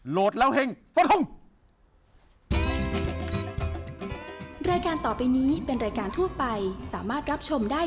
โหลดแล้วเฮ่งสวัสดีครับ